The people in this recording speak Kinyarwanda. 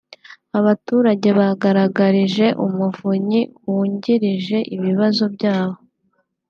Abaturage bagaragarije Umuvunyi wungirije ibibazo bya bo